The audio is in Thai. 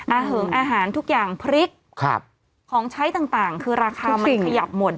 เหิงอาหารทุกอย่างพริกของใช้ต่างคือราคามันขยับหมด